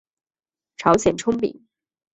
朝鲜葱饼。